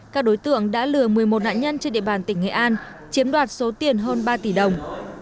các đối tượng đã lừa một mươi một nạn nhân trên địa bàn tỉnh nghệ an chiếm đoạt số tiền hơn ba tỷ đồng